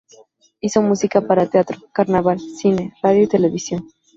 Hizo música para teatro, carnaval, cine, radio y televisión.